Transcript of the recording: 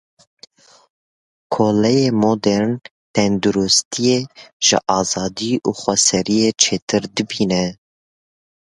Koleyê modern, tenduristiyê ji azadî û xweseriyê çêtir dibîne.